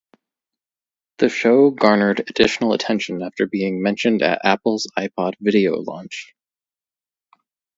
The show garnered additional attention after being mentioned at Apple's iPod Video launch.